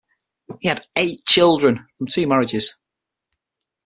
He had eight children, from two marriages.